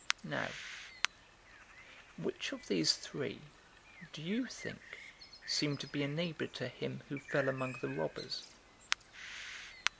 010:036 Now which of these three do you think seemed to be a neighbor to him who fell among the robbers?"